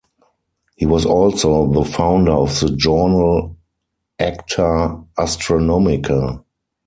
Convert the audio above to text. He was also the founder of the journal Acta Astronomica.